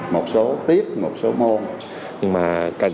một số tiếp một số môn